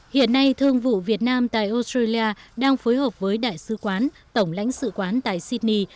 hiện nay thương vụ việt nam tại australia đang phối hợp với đại sứ quán tổng lãnh sự quán tại sydney